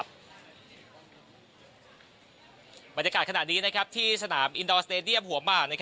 บรรยากาศขณะนี้ที่สนามอินดอร์สเตดียมหัวหมาก